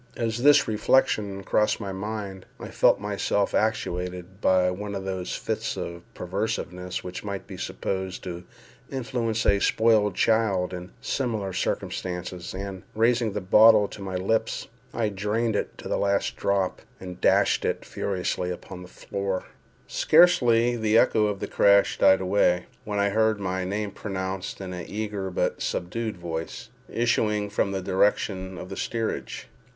As this reflection crossed my mind, I felt myself actuated by one of those fits of perverseness which might be supposed to influence a spoiled child in similar circumstances, and, raising the bottle to my lips, I drained it to the last drop, and dashed it furiously upon the floor. Scarcely had the echo of the crash died away, when I heard my name pronounced in an eager but subdued voice, issuing from the direction of the steerage.